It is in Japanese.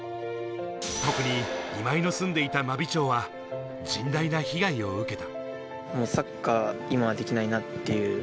特に今井の住んでいた真備町は、甚大な被害を受ける。